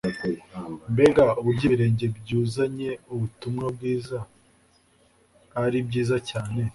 mbega uburyo ibirenge byuzanye ubutumwa bwiza ari byiza cyane